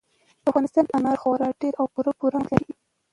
په افغانستان کې انار خورا ډېر او پوره پوره اهمیت لري.